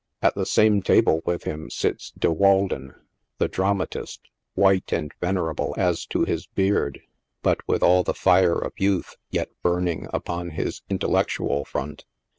At the same table with him sits De Walden, the dramatist, white and venerable as to his beard, but with all the fire of youth yet burning upon his intellectual front.